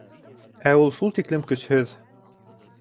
Ә ул шул тиклем көсһөҙ!